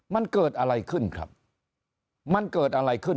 มันเกิดอะไรขึ้นครับมันเกิดอะไรขึ้น